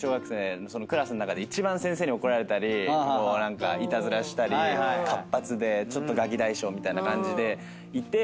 クラスん中で一番先生に怒られたりいたずらしたり活発でちょっとガキ大将みたいな感じでいて。